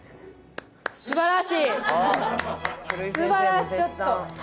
素晴らしいちょっと。